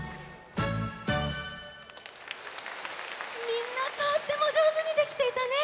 みんなとってもじょうずにできていたね！